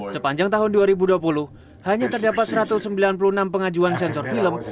sepanjang tahun dua ribu dua puluh hanya terdapat satu ratus sembilan puluh enam pengajuan sensor film